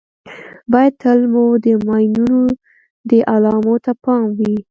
باید تل مو د ماینونو د علامو ته پام وي.